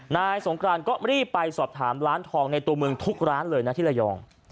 นายสงกรานก็รีบไปสอบถามร้านทองในตัวเมืองทุกร้านเลยนะที่ระยอง